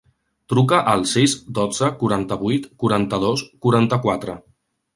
Truca al sis, dotze, quaranta-vuit, cinquanta-dos, quaranta-quatre.